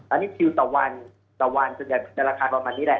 อันนี้คิวต่อวันตรงราคาประมาณนี้แหละ